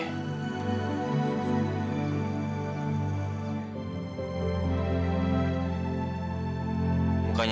bukan aku yang ingin menang